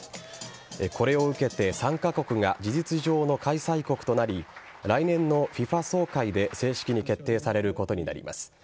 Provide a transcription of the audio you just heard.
これを受けて、３カ国が事実上の開催国となり来年のＦＩＦＡ総会で正式に決定されることになります。